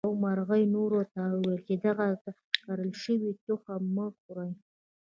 یوه مرغۍ نورو ته وویل چې دغه کرل شوي تخم مه خورئ.